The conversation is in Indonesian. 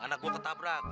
anak gue tetap rat